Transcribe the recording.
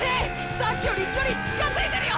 さっきより距離近づいてるよ！！